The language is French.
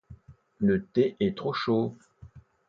Le thé est trop chaud.